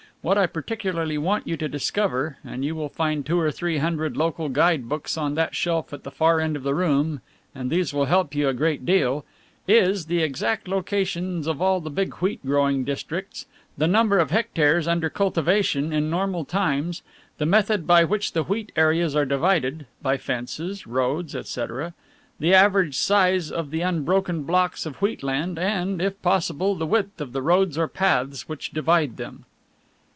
What I particularly want you to discover and you will find two or three hundred local guide books on that shelf at the far end of the room, and these will help you a great deal is the exact locations of all the big wheat growing districts, the number of hectares under cultivation in normal times, the method by which the wheat areas are divided by fences, roads, etc. the average size of the unbroken blocks of wheatland and, if possible, the width of the roads or paths which divide them."